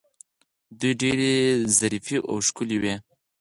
دوی ډیرې ظریفې او ښکلې وې